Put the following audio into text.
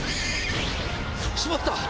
しまった！